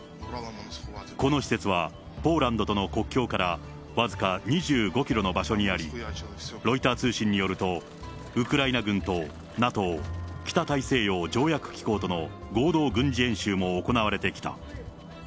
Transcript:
この施設は、ポーランドとの国境から僅か２５キロの場所にあり、ロイター通信によると、ウクライナ軍とＮＡＴＯ・北大西洋条約機構との合同軍事演習も行われてきた。